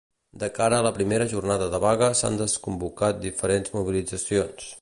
De cara a la primera jornada de vaga s'han desconvocat diferents mobilitzacions.